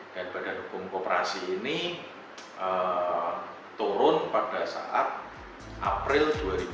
dan badan hukum koperasi ini turun pada saat april dua ribu tujuh belas